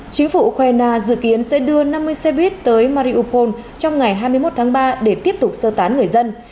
chính phủ ukraine dự kiến sẽ đưa năm mươi xe buýt tới maripol trong ngày hai mươi một tháng ba để tiếp tục sơ tán người dân